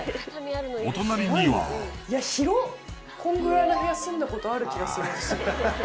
お隣にはこんぐらいの部屋住んだことある気がする。